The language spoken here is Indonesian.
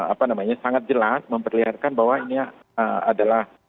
apa namanya sangat jelas memperlihatkan bahwa ini adalah